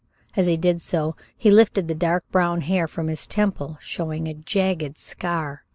As he did so, he lifted the dark brown hair from his temple, showing a jagged scar.